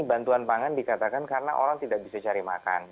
bantuan pangan dikatakan karena orang tidak bisa cari makan